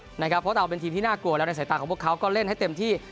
เพราะเราเป็นทีมที่น่ากลัวแล้วในสายตาของพวกเขาก็เล่นให้เต็มที่